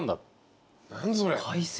何それ？